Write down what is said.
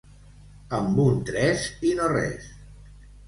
Amb un tres i no res.